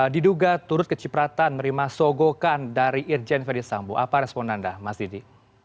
diduga turut kecipratan merima sogokan dari irjen verdi sambu apa respon anda mas didi